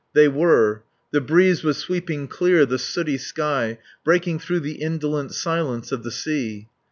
They were. The breeze was sweeping clear the sooty sky, breaking through the indolent silence of the sea.